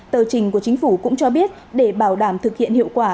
tờ trình của chính phủ cũng cho biết để bảo đảm thực hiện hiệu quả